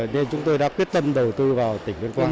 nên chúng tôi đã quyết tâm đầu tư vào tỉnh tuyên quang